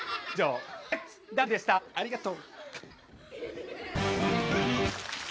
ありがとう。